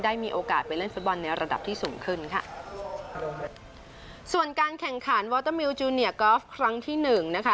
ได้มีโอกาสไปเล่นฟุตบอลในระดับที่สูงขึ้นค่ะส่วนการแข่งขันวอเตอร์มิลจูเนียกอล์ฟครั้งที่หนึ่งนะคะ